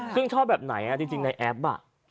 ที่ชอบแบบไหนในแอป